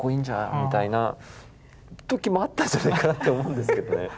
みたいな時もあったんじゃないかなって思うんですけどね。